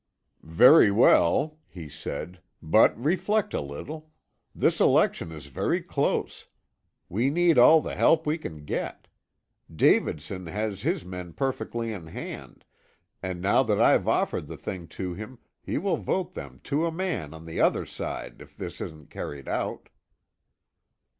"Very well," he said, "but reflect a little. This election is very close. We need all the help we can get. Davidson has his men perfectly in hand, and now that I've offered the thing to him he will vote them to a man on the other side if this isn't carried out."